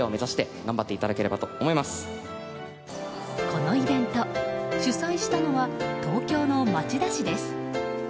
このイベント主催したのは東京の町田市です。